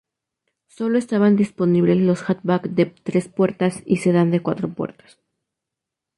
Solo estaban disponibles los hatchback de tres puertas y sedán de cuatro puertas.